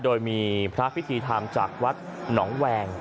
โดยมีพระพิธีธรรมจากวัดหนองแวง